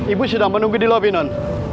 ibu sedang menunggu di lobby non